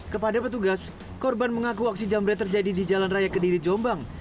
kepada petugas korban mengaku aksi jambret terjadi di jalan raya kediri jombang